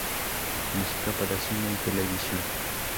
Música para cine y televisión